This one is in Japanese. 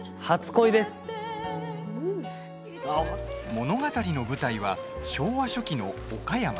物語の舞台は昭和初期の岡山。